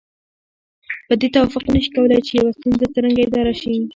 په دې توافق نشي کولای چې يوه ستونزه څرنګه اداره شي.